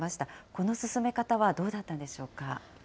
この進め方はどうだったんでしょうか。